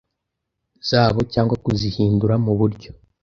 zabo cyangwa kuzihindura muburyo.